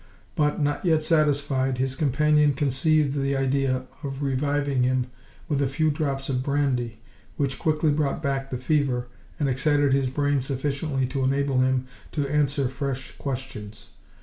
But, not yet satisfied, his companion conceived the idea of reviving him with a few drops of brandy, which quickly brought back the fever, and excited his brain sufficiently to enable him to answer fresh questions.